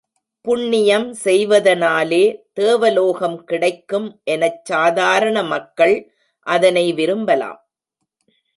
புண்ணியம் செய்வதனாலே தேவலோகம் கிடைக்கும் எனச் சாதாரண மக்கள் அதனை விரும்பலாம்.